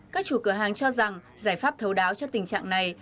các chủ cửa hàng cho rằng giải pháp thấu đáo cho tình trạng này